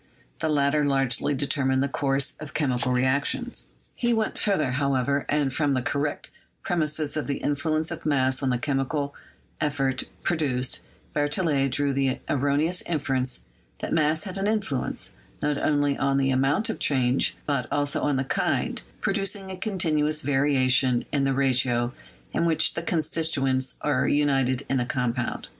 The latter largely determined the course of chemical reactions. He went further, however, and from the correct pre mise of the influence of mass on the chemical effect pro duced, Berthollet drew the erroneous inference that mass had an influence, not only on the amount of change but also on the kind, producing a continuous variation in the ratio in which the constituents are united in the com pound.